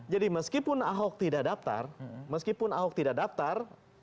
jadi meskipun ahok tidak daftar meskipun ahok tidak daftar